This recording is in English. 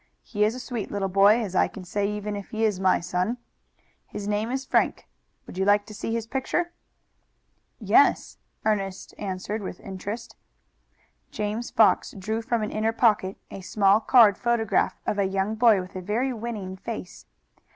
"He is a sweet little boy, as I can say even if he is my son. His name is Frank. Would you like to see his picture?" "Yes," answered Ernest, with interest. James Fox drew from an inner pocket a small card photograph of a young boy with a very winning face.